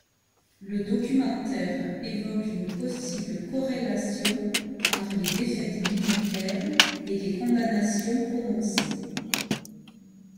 Le documentaire évoque une possible corrélation entre les défaites militaires et les condamnations prononcées.